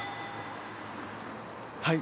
はい。